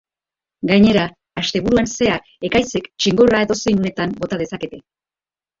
Gainera, asteburuan zehar ekaitzek txingorra edozein unetan bota dezakete.